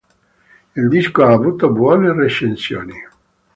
Il disco ha avuto buone recensioni.